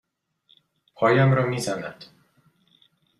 پایم را می زند.